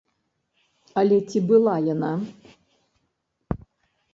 Але ці была яна?